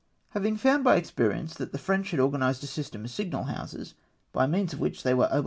Having found by experience that the French had organised a system of signal houses, by means of which they were able